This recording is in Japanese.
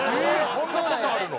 そんな事あるの？